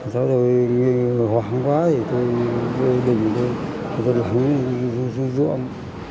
sau đó hóng quá thì tôi đẩy mình tới tôi đã lặng lên ruộng